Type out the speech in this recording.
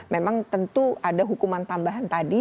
memang tentu ada hukuman tambahan tadi